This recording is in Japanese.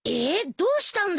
どうしたんだよ